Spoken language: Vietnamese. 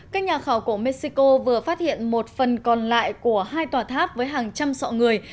các nhà khoa học của mexico vừa phát hiện một phần còn lại của hai tòa tháp với hàng trăm sọ người